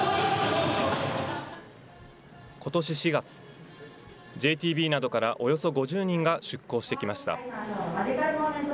ことし４月、ＪＴＢなどからおよそ５０人が出向してきました。